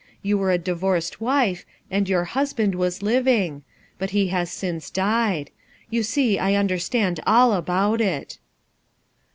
You were a divorced wife, and your husband was living; but he has since died. You see I understand all about it."